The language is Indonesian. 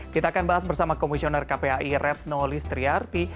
kita akan bahas bersama komisioner kpai retno listriarti